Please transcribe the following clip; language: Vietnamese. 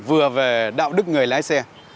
vừa về đạo đức người lái xe